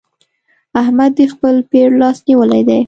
احمد د خپل پير لاس نيولی دی.